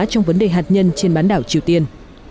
trong vấn đề hạt nhân trên bán đảo triều tiên